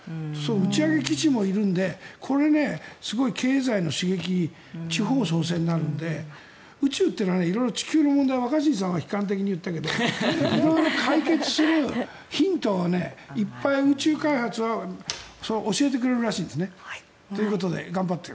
打ち上げ基地もいるのでこれ、経済の刺激地方創生になるので宇宙というのは色々と地球の問題若新さんは悲観的に言ったけど色々解決するヒントがいっぱい宇宙開発は教えてくれるらしいんですね。ということで頑張って。